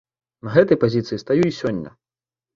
На гэтай пазіцыі стаю і сёння.